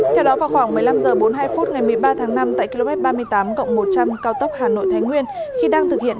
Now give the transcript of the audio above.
theo đó vào khoảng một mươi năm h bốn mươi hai phút ngày một mươi ba tháng năm tại km ba mươi tám gọng một trăm linh cao tốc hà nội thái nguyên